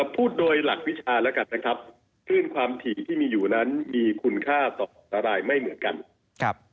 พูดโดยหลักวิชาแล้วกันนะครับคลื่นความถี่ที่มีอยู่นั้นมีคุณค่าต่ออันตรายไม่เหมือนกัน